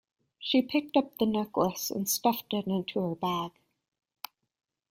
She picked up the necklace and stuffed it into her bag